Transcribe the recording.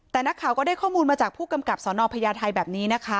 แต่นักข่าวก็ได้ข้อมูลมาจากผู้กำกับสนพญาไทยแบบนี้นะคะ